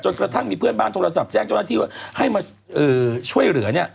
กระทั่งมีเพื่อนบ้านโทรศัพท์แจ้งเจ้าหน้าที่ว่าให้มาช่วยเหลือเนี่ย